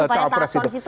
cawa pres itu